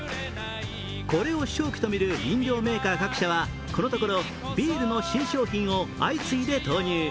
これを商機とみる飲料メーカー各社はこのところビールの新商品を相次いで投入。